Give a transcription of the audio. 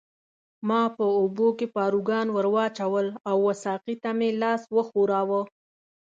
ما په اوبو کې پاروګان ورواچول او وه ساقي ته مې لاس وښوراوه.